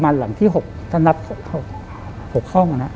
นับ๖ห้อง